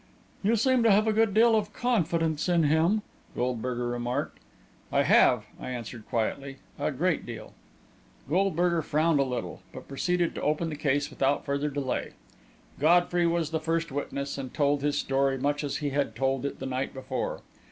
"You seem to have a good deal of confidence in him," Goldberger remarked. "I have," I answered quietly. "A great deal." Goldberger frowned a little, but proceeded to open the case without further delay. Godfrey was the first witness, and told his story much as he had told it the night before.